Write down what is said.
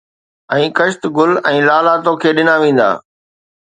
۽ ڪشت گل ۽ لالا توکي ڏنا ويندا